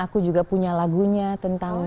aku juga punya lagunya tentang